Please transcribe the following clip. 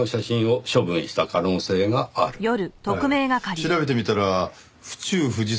調べてみたら府中藤沢